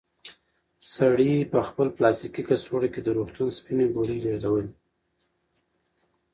سړي په خپل پلاستیکي کڅوړه کې د روغتون سپینې ګولۍ لېږدولې.